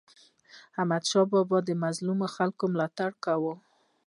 احمدشاه بابا به د مظلومو خلکو ملاتړ کاوه.